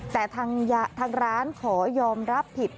แต่ทางร้านขอยอมรับผิด